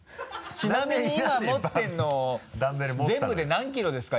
ちなみに今持ってるの全部で何キロですか？